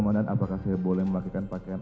mandan apakah saya boleh memakai pakaian